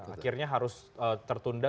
akhirnya harus tertunda